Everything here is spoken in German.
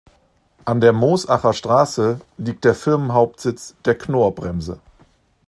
An der Moosacher Straße liegt der Firmenhauptsitz der Knorr-Bremse.